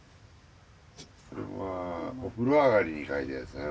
これはお風呂上がりに描いたやつだな